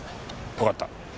わかった。